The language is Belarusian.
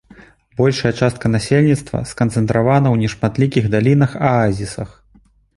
Большая частка насельніцтва сканцэнтравана ў нешматлікіх далінах-аазісах.